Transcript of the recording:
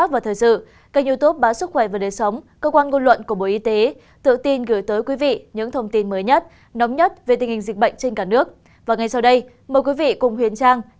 và ngay sau đây mời quý vị cùng huyền trang đến với những tin tức đầu tiên